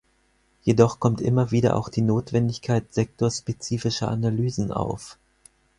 Jedoch kommt immer wieder auch die Notwendigkeit sektorspezifischer Analysen auf.